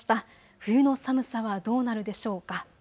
冬の寒さはどうなるでしょうか。